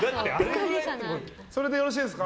それでよろしいですか？